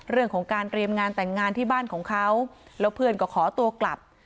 เรื่องของการเตรียมงานแต่งงานที่บ้านของเขาแล้วเพื่อนก็ขอตัวกลับ